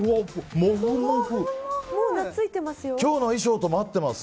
もう懐いていますよ。